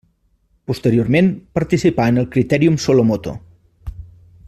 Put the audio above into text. Posteriorment participà en el Critèrium Solo Moto.